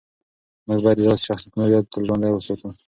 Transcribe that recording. موږ باید د داسې شخصیتونو یاد تل ژوندی وساتو.